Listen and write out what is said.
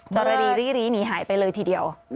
กรณีรีหนีหายไปเลยทีเดียว